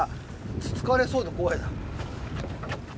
つつかれそうで怖いな。